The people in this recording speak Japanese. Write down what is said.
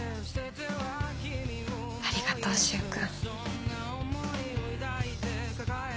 ありがとう柊君。